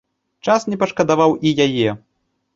Час не пашкадаваў і яе.